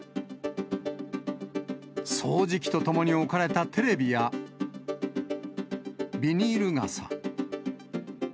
掃除機とともに置かれたテレビやビニール傘。